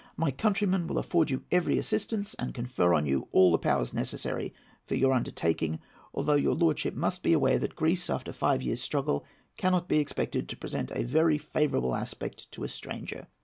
My countrymen will afford you every assistance, and confer on you all the powers necessary for your undertaking; although your lordship must be aware that Greece, after five years' struggle, cannot be expected to present a very favourable aspect to a stranger.